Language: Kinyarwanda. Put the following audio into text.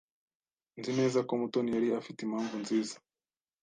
Nzi neza ko Mutoni yari afite impamvu nziza.